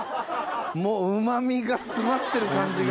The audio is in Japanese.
うま味が詰まってる感じが。